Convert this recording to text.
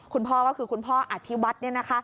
คุณพ่อก็คือคุณพ่ออธิวัฒน์